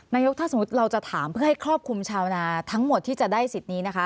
นายกถ้าสมมุติเราจะถามเพื่อให้ครอบคลุมชาวนาทั้งหมดที่จะได้สิทธิ์นี้นะคะ